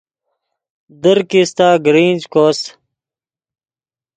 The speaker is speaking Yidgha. در کیستہ گرنج کوس